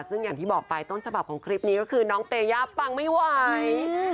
ซึ่งอย่างที่บอกไปต้นฉบับของคลิปนี้ก็คือน้องเตย่าปังไม่ไหว